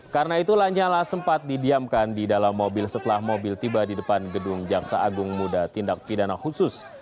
karena itu lanyala sempat didiamkan di dalam mobil setelah mobil tiba di depan gedung jaksa agung muda tindak pidana khusus